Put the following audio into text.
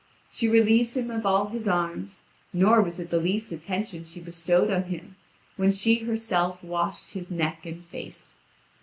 She relieves him of all his arms, nor was it the least attention she bestowed on him when she herself washed his neck and face.